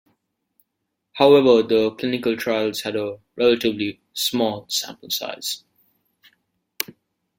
However, the clinical trials had a relatively small sample size.